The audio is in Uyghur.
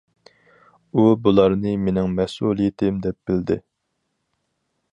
ئۇ بۇلارنى مېنىڭ مەسئۇلىيىتىم دەپ بىلدى.